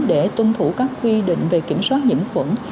để tuân thủ các quy định về kiểm soát nhiễm khuẩn